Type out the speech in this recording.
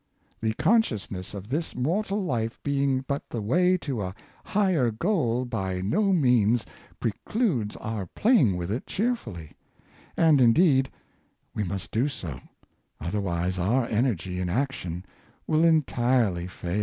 The consciousness of this mortal life being but the way to a higher goal by no means precludes our playing with it cheerfully; and, indeed, we must do so, otherwise our energy in ac tion will entirely fail."